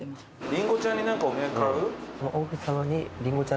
りんごちゃんに何かお土産買う？